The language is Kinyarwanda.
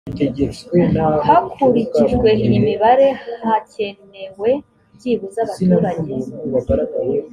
hakurikijwe iyi mibare hakenewe byibuze abaturage